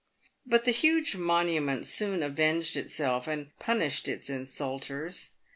But the huge monument soon avenged itself, and punished its iu sulters.